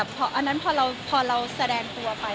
พอเราแสดงตัวไป